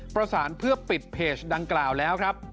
ประสานเพื่อปิดเพจดังกล่าวแล้วครับ